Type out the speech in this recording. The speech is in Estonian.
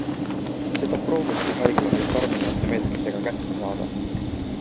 Seda proovibki haigla nüüd karmimate meetmetega kätte saada.